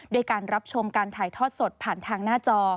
การรับชมการถ่ายทอดสดผ่านทางหน้าจอ